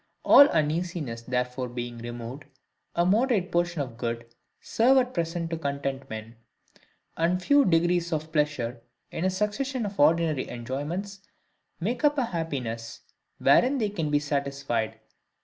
All uneasiness therefore being removed, a moderate portion of good serve at present to content men; and a few degrees of pleasure in a succession of ordinary enjoyments, make up a happiness wherein they can be satisfied.